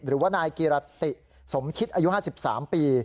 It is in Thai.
หรือว่านายกิรติสมคิดอายุ๕๓ปี